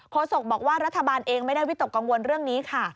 โศกบอกว่ารัฐบาลเองไม่ได้วิตกกังวลเรื่องนี้ค่ะ